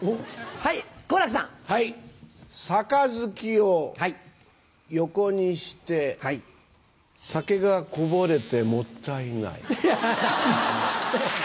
「盃」を横にして酒がこぼれてもったいない。